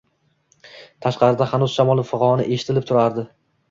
Tashqarida xanuz shamol fig'oni eshitilib turardi.